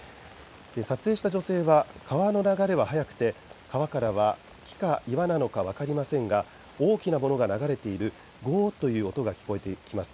撮影した女性は川の流れは速くて川からは木か岩なのか分かりませんが大きな物が流れているゴーっという音が聞こえてきます。